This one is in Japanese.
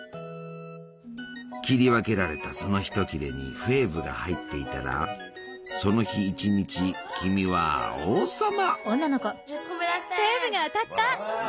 切り分けられたそのひと切れにフェーブが入っていたらその日一日君は王様！